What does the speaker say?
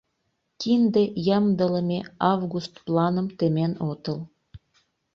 Кинде ямдылыме август планым темен отыл?